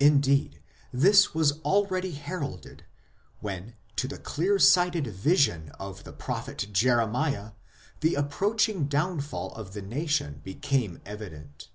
Indeed, this was already heralded when to the clear sighted vision of the prophet Jeremiah the approaching downfall of the nation became evident.